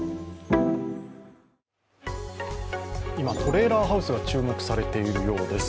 今トレーラーハウスが注目されているようです。